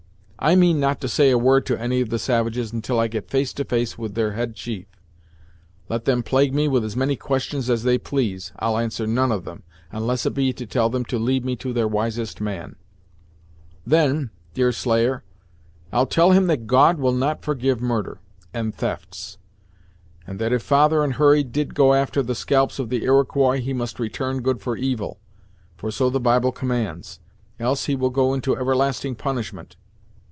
I mean not to say a word to any of the savages until I get face to face with their head chief, let them plague me with as many questions as they please I'll answer none of them, unless it be to tell them to lead me to their wisest man Then, Deerslayer, I'll tell him that God will not forgive murder, and thefts; and that if father and Hurry did go after the scalps of the Iroquois, he must return good for evil, for so the Bible commands, else he will go into everlasting punishment.